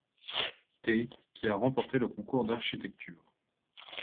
Tait, qui a remporté le concours d'architecture.